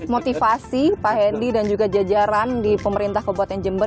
motivasi pak hendy dan juga jajaran di pemerintah kabupaten jember